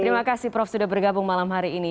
terima kasih prof sudah bergabung malam hari ini